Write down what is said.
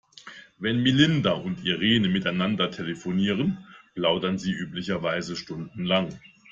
Wenn Melinda und Irene miteinander telefonieren, plaudern sie üblicherweise stundenlang.